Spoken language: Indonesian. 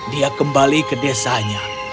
dia kembali ke desanya